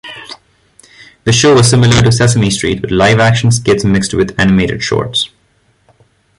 The show was similar to "Sesame Street" with live-action skits mixed with animated shorts.